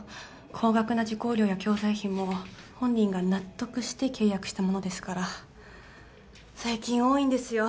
高額な受講料や教材費も本人が納得して契約したものですから最近多いんですよ